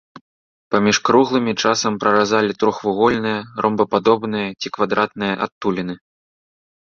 Паміж круглымі часам праразалі трохвугольныя, ромбападобныя ці квадратныя адтуліны.